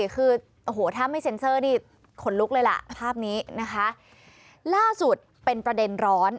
คือโอ้โหถ้าไม่เซ็นเซอร์นี่ขนลุกเลยล่ะภาพนี้นะคะล่าสุดเป็นประเด็นร้อน